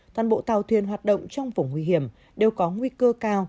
toàn bộ tàu thuyền hoạt động trong vùng nguy hiểm đều có nguy cơ cao